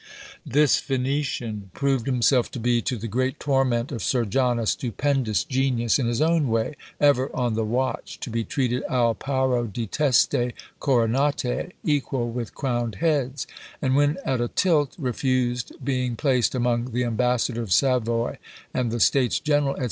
This Venetian proved himself to be, to the great torment of Sir John, a stupendous genius in his own way; ever on the watch to be treated al paro di teste coronate equal with crowned heads; and, when at a tilt, refused being placed among the ambassadors of Savoy and the States general, &c.